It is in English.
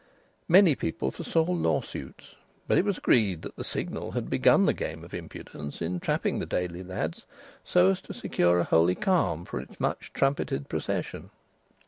Many people foresaw law suits, but it was agreed that the Signal had begun the game of impudence in trapping the Daily lads so as to secure a holy calm for its much trumpeted procession.